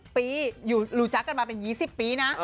๑๐ปีหลวงจากกันมาเป็น๒๐ปีนะ